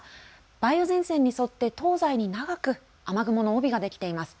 梅雨前線に沿って東西に長く雨雲の帯が出来ています。